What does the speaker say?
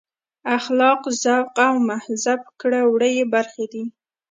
اخلاق ذوق او مهذب کړه وړه یې برخې دي.